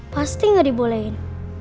pasti gak dibolehin